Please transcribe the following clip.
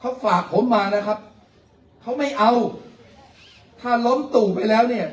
เขาฝากผมมานะครับเขาไม่เอาถ้าล้มตู่ไปแล้วเนี่ย